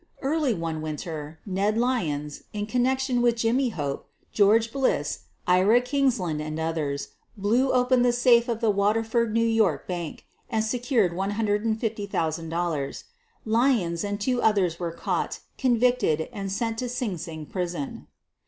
Early one winter Ned Lyons, in connection with Jimmy Hope, George Bliss, Ira Kingsland and others, blew open the safe of the Waterford, New York, Bank, and secured $150,000. Lyons and two others were caught, convicted and sent to Sing Sing Prison.